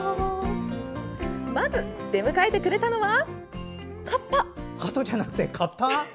まず、出迎えてくれたのはカッパ。